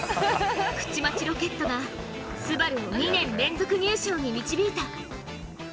口町ロケットがＳＵＢＡＲＵを２年連続優勝に導いた！